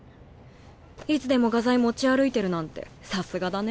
いつでも画材持ち歩いてるなんてさすがだね。